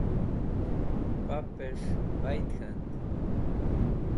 pap'esh bayd k̃hand